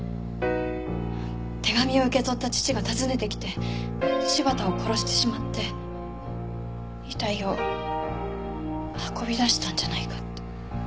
手紙を受け取った父が訪ねてきて柴田を殺してしまって遺体を運び出したんじゃないかって。